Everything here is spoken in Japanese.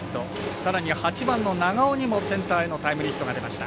さらに８番の長尾にもセンターのタイムリーヒットが出ました。